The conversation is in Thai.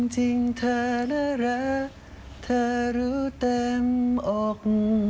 จริงเธอน่ารักเธอรู้เต็มอก